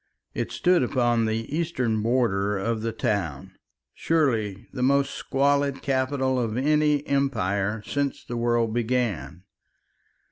It stood upon the eastern border of the town, surely the most squalid capital of any empire since the world began.